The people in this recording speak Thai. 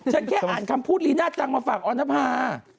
ฉันแค่อ่านคำพูดลีน่าจังมาฝากออนภา